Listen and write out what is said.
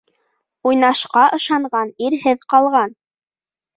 Уйнашҡа ышанған ирһеҙ ҡалған.